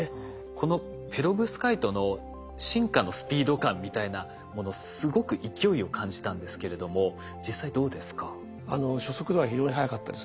このペロブスカイトの進化のスピード感みたいなものすごく勢いを感じたんですけれども実際どうですか？